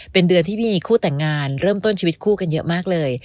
เป็นเดือนที่มีคู่แต่งงานเริ่มต้นชีวิตคู่กันเยอะมากเลย